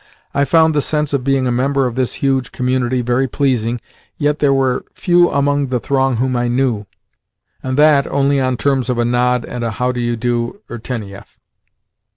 I found the sense of being a member of this huge community very pleasing, yet there were few among the throng whom I knew, and that only on terms of a nod and a "How do you do, Irtenieff?"